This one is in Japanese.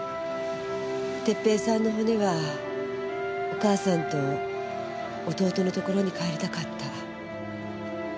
哲平さんの骨はお母さんと弟のところに帰りたかった。